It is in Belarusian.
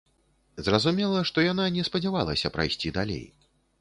Зразумела, што яна не спадзявалася прайсці далей.